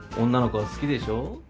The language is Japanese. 女の子は好きでしょ。